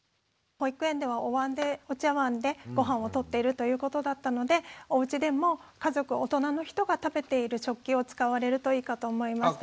保育園ではおわんでお茶わんでごはんをとっているということだったのでおうちでも家族大人の人が食べている食器を使われるといいかと思います。